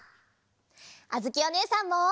あづきおねえさんも。